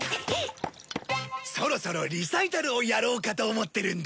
そろそろリサイタルをやろうかと思ってるんだ。